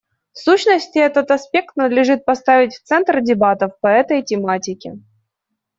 В сущности, этот аспект надлежит поставить в центр дебатов по этой тематике.